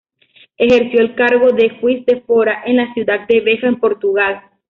Ejerció el cargo de "juiz de fora" en la ciudad de Beja, en Portugal.